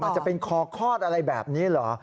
มันจะเป็นคอคลอดอะไรแบบนี้เหรอ